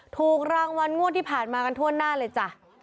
ถูกรางวัลงวดที่ผ่านมากันทั่วหน้าเลยจ้ะ